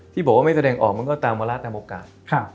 ที่บอกว่าไม่แสดงออกมันก็ตามวาระตามโอกาส